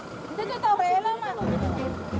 ini keluarga tadi ini tuh air